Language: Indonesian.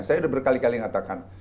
saya sudah berkali kali ngatakan